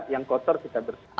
yang kotor kita bersihkan